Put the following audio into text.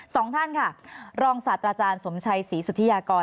สองท่านค่ะรองศาสตราจารย์สมชัยศรีสุธิยากร